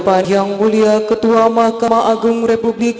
hai yang mulia ketua mahkamah agung republik